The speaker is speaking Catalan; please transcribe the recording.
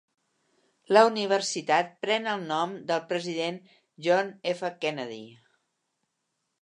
La universitat pren el nom del president John F. Kennedy.